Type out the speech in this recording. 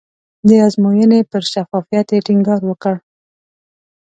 د ازموینې پر شفافیت یې ټینګار وکړ.